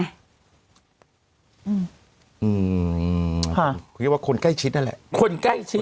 อืมอืมค่ะนะคะคิดว่าคนใกล้ชิดนั่นแหละคนใกล้ชิด